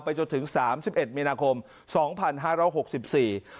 จนถึงสามสิบเอ็ดมีนาคมสองพันห้าร้อยหกสิบสี่